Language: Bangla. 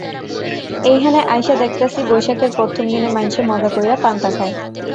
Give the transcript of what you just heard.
এইহানে আইসা দ্যাখতাছি বৈশাখের পরথম দিনে মাইনসে মজা কইরা পান্তা খায়।